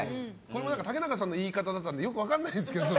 竹中さんの言い方だったのでよく分からなかったんですけど。